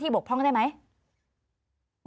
หลายครั้งหลายครั้ง